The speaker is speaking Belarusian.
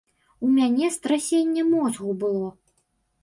У мяне страсенне мозгу было.